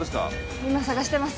今探してます